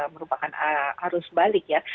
merupakan arus balik ya